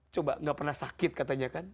coba gak pernah sakit katanya kan